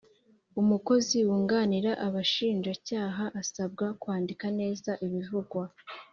umukozi wunganira Abashinjacyaha asabwa kwandika neza ibivugwa